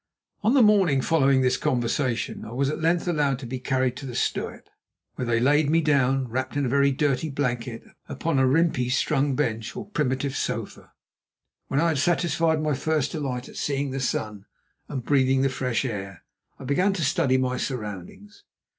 On the morning following this conversation I was at length allowed to be carried to the stoep, where they laid me down, wrapped in a very dirty blanket, upon a rimpi strung bench or primitive sofa. When I had satisfied my first delight at seeing the sun and breathing the fresh air, I began to study my surroundings.